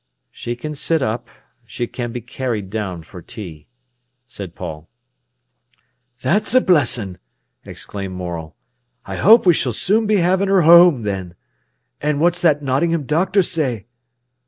"She can sit up; she can be carried down for tea," said Paul. "That's a blessin'!" exclaimed Morel. "I hope we s'll soon be havin' her whoam, then. An' what's that Nottingham doctor say?"